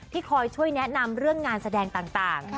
คอยช่วยแนะนำเรื่องงานแสดงต่าง